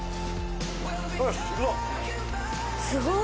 すごい。